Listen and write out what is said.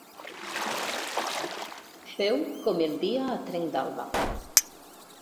Feu com el dia a trenc d'alba.